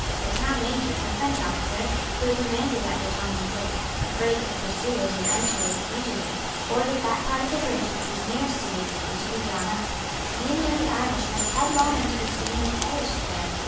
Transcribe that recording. The Town Major, a French officer, who commanded at the Thomond Gate, afraid that the pursuers would enter with the fugitives, ordered that part of the bridge which was nearest to the city to be drawn up. Many of the Irish went headlong into the stream and perished there.